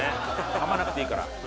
噛まなくていいから。